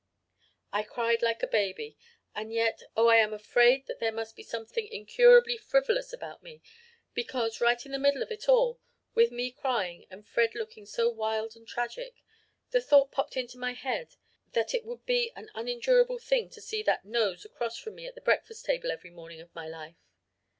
I cried like a baby; and yet oh, I am afraid that there must be something incurably frivolous about me, because, right in the middle of it all, with me crying and Fred looking so wild and tragic, the thought popped into my head that it would be an unendurable thing to see that nose across from me at the breakfast table every morning of my life.